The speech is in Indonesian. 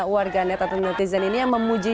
warganet atau netizen ini yang memuji